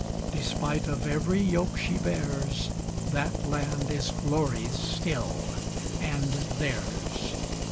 Despite of every yoke she bears, That land is glory's still, and theirs!